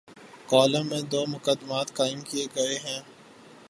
Column میں دومقدمات قائم کیے گئے ہیں۔